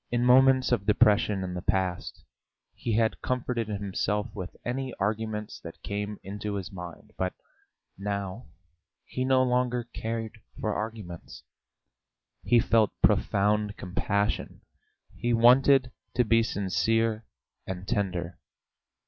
In moments of depression in the past he had comforted himself with any arguments that came into his mind, but now he no longer cared for arguments; he felt profound compassion, he wanted to be sincere and tender....